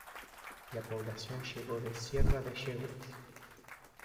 La población llegó de Sierra de Yeguas.